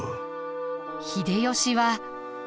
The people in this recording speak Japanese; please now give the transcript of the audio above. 秀吉は。